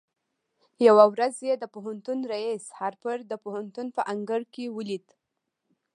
يوه ورځ يې د پوهنتون رئيس هارپر د پوهنتون په انګړ کې وليد.